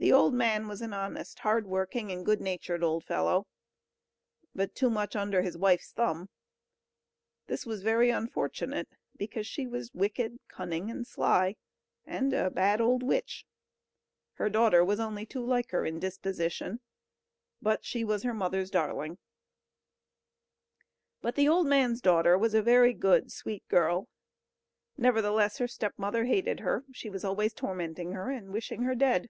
The old man was an honest, hard working, and good natured old fellow, but too much under his wife's thumb. This was very unfortunate, because she was wicked, cunning, and sly, and a bad old witch. Her daughter was only too like her in disposition; but she was her mother's darling. But the old man's daughter was a very good sweet girl; nevertheless her stepmother hated her; she was always tormenting her, and wishing her dead.